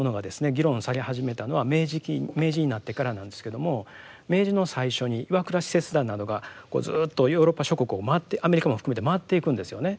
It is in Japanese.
議論され始めたのは明治期明治になってからなんですけれども明治の最初に岩倉使節団などがこうずっとヨーロッパ諸国を回ってアメリカも含めて回っていくんですよね。